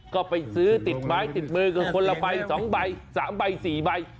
ก็ไปซื้อติดไม้ติดมือกับคนละใบ๒ใบ๓ใบ๔ใบ